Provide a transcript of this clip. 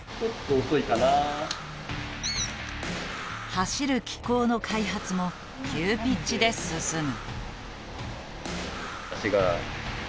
走る機構の開発も急ピッチで進む。